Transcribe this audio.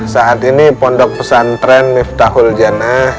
saat ini pondok pesantren niftahul jannah